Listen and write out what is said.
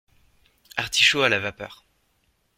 Artichauts à la vapeur